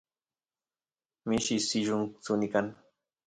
mishi sillun suni kan